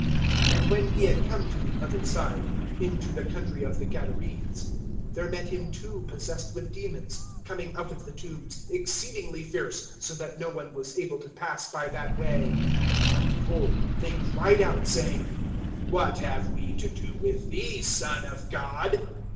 (28)And when he had come to the other side, into the country of the Gadarenes[8:28], there met him two possessed with demons, coming out of the tombs, exceedingly fierce, so that no one was able to pass by that way. (29)And, behold, they cried out, saying: What have we to do with thee, Son of God?